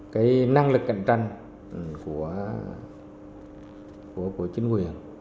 cái năng lực cạnh tranh của chính quyền